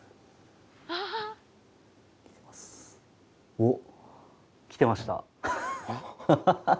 おっ来てました。